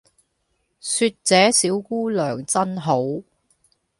說這小姑娘真好